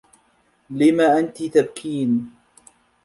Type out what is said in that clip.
لم أنتِ تبكين؟